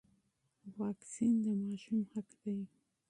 واکسین د ماشوم حق دی.